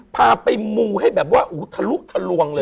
พาไปมูให้แบบว่าทะลุทะลวงเลย